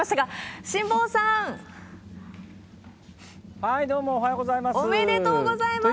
はい、どうも、おはようございます。